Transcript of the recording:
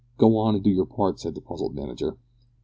Go on and do your part," said the puzzled manager.